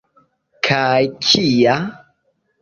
Kaj kia!